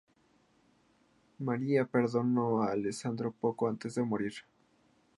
María perdonó a Alessandro poco antes de morir.